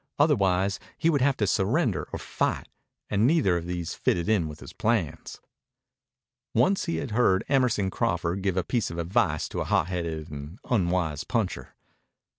Otherwise he would have to surrender or fight, and neither of these fitted in with his plans. Once he had heard Emerson Crawford give a piece of advice to a hotheaded and unwise puncher.